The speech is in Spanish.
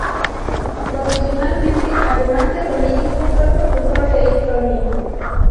Profesionalmente, además de político, fue profesor de Historia.